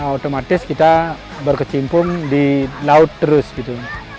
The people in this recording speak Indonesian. otomatis kita berkecimpung di laut terus gitu